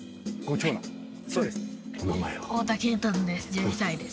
１２歳です。